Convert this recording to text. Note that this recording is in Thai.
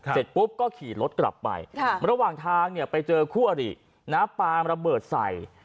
เสร็จปุ๊บก็ขี่รถกลับไประหว่างทางไปเจอคู่อริปาระเบิดใส่